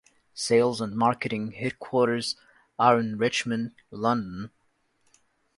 Sales and marketing headquarters are in Richmond, London.